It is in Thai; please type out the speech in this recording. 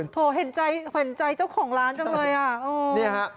โถเห็นใจเจ้าของร้านจังเลย